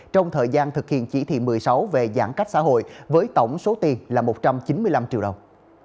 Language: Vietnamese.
trong thời gian thực hiện chỉ thị một mươi sáu về giãn cách xã hội với tổng số tiền là một trăm chín mươi năm triệu đồng